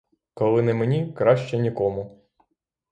Коли не мені — краще нікому.